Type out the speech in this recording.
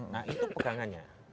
nah itu pegangannya